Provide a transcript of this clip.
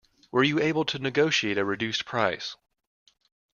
Were you able to negotiate a reduced price?